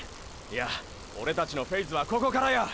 いやオレたちのフェイズはここからや！！